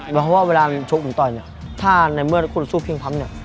เพราะเวลาชุกผมต่อยถ้าในเมื่อจบสู่เพียงพร้อมเนี่ย